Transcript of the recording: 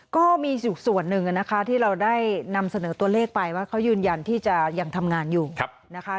ก็มีอยู่ส่วนหนึ่งนะคะที่เราได้นำเสนอตัวเลขไปว่าเขายืนยันที่จะยังทำงานอยู่นะคะ